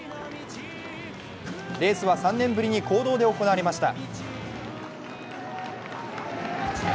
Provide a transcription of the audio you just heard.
レースは３年ぶりに公道で行われました。